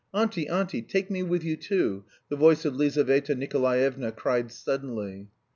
"Auntie, auntie, take me with you too!" the voice of Lizaveta Nikolaevna cried suddenly.